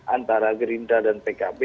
antara gerindra dan pkb